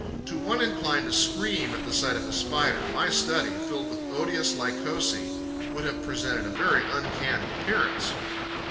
To one inclined to scream at the sight of a Spider, my study, filled with odious Lycosae, would have presented a very uncanny appearance.